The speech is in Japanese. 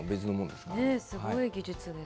すごい技術です。